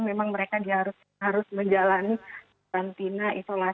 memang mereka harus menjalani kantina isolasi wisma